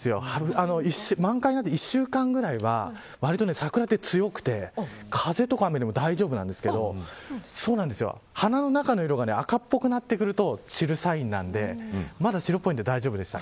満開になって１週間くらいは割と桜は強くて風とか雨でも大丈夫なんですけど花の中の色が赤っぽくなってくると散るサインなのでまだ白っぽいので大丈夫でした。